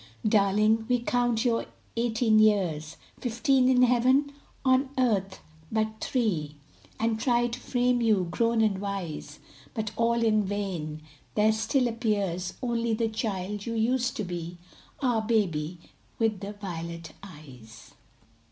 Darling, we count your eighteen years, Fifteen in Heaven, on earth but three, And try to frame you grown and wise: But all in vain; there still appears Only the child you used to be, Our baby with the violet eyes.